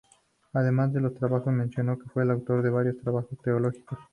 Además de los trabajos mencionados fue el autor de varios trabajos teológicos.